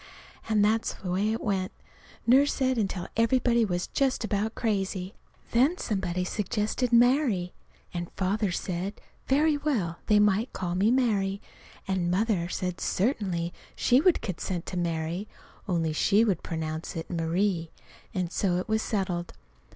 And that's the way it went, Nurse said, until everybody was just about crazy. Then somebody suggested "Mary." And Father said, very well, they might call me Mary; and Mother said certainly, she would consent to Mary, only she should pronounce it Marie. And so it was settled.